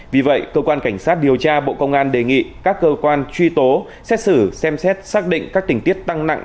vì vậy cơ quan cảnh sát điều tra bộ công an đề nghị các cơ quan truy tố xét xử xem xét xác định các tình tiết tăng nặng